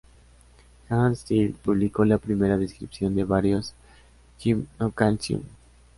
Hans Till publicó la primera descripción de varios "Gymnocalycium".